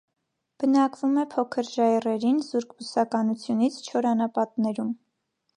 Բնակվում է փոքր ժայռերին, զուրկ բուսականությունից, չոր անապատներում։